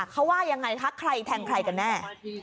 เขาว่ายังไงคะใครแทงใครกันแน่